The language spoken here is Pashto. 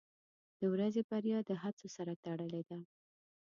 • د ورځې بریا د هڅو سره تړلې ده.